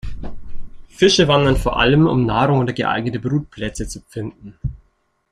Fische wandern vor allem, um Nahrung oder geeignete Brutplätze zu finden.